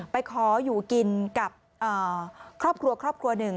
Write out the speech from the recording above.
ไปขออยู่กินกับครอบครัวครอบครัวหนึ่ง